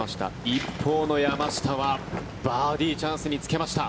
一方の山下はバーディーチャンスにつけました。